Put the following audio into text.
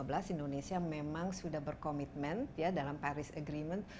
nah sejak tahun dua ribu lima belas indonesia memang sudah berkomitmen ya dalam paris agreement